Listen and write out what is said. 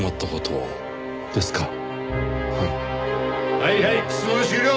はいはい質問終了！